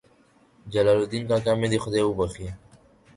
جلال الدین کاکا مې دې خدای وبخښي.